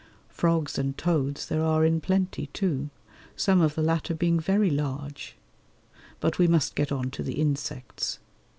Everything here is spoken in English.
Frogs and toads there are in plenty, too, some of the latter being very large; but we must get on to the insects.